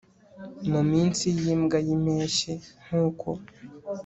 mu minsi yimbwa yimpeshyi nkuko